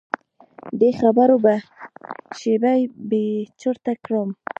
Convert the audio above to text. دې خبرو به شیبه بې چرته کړم.